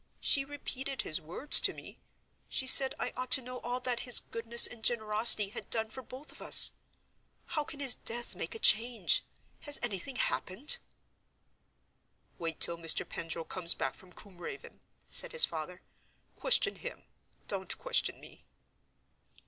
She repeated his words to me; she said I ought to know all that his goodness and generosity had done for both of us. How can his death make a change? Has anything happened?" "Wait till Mr. Pendril comes back from Combe Raven," said his father. "Question him—don't question me."